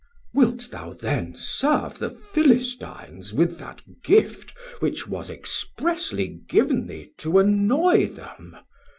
Man. Wilt thou then serve the Philistines with that gift Which was expresly giv'n thee to annoy them?